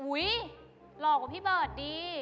อุ๊ยหล่อกว่าพี่เบิร์ดดี